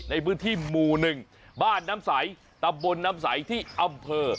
ในพื้นที่หมู่๑บ้านน้ำใสตำบลน้ำใสที่อำเภอ